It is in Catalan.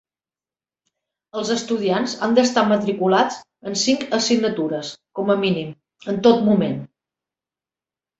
Els estudiants han d'estar matriculats en cinc assignatures com a mínim en tot moment.